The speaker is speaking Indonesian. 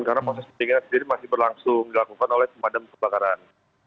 karena proses penyelamatan sendiri masih berlangsung dilakukan oleh pemadam kebakaran